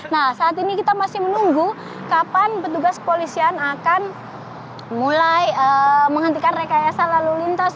nah saat ini kita masih menunggu kapan petugas kepolisian akan mulai menghentikan rekayasa lalu lintas